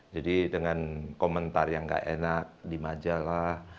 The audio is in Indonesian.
jadi dengan komentar yang gak enak di majalah